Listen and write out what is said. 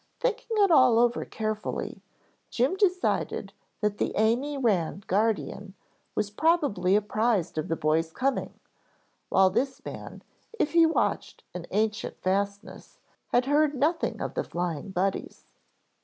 Thinking it all over carefully, Jim decided that the Amy Ran guardian was probably apprised of the boys' coming, while this man, if he watched an ancient fastness, had heard nothing of the Flying Buddies.